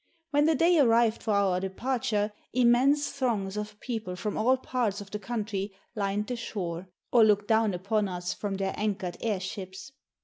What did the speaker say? When the day arrived for our departure, immense throngs of people from all parts of the country lined the shore, or looked down upon us from their anchored air ships.